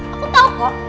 aku tau kok